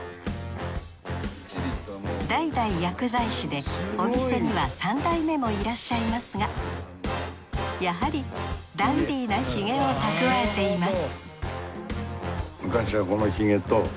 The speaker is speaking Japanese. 代々薬剤師でお店には三代目もいらっしゃいますがやはりダンディーなヒゲをたくわえています